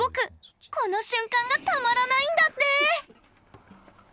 この瞬間がたまらないんだって！